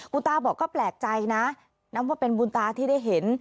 คุณตาบอกก็แปลกใจนะนับว่าเป็นบุญตาที่ได้เห็น